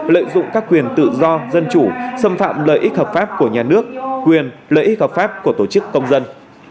lợi dụng các quyền tự do dân chủ xâm phạm lợi ích hợp pháp của nhà nước quyền lợi ích hợp pháp của tổ chức công dân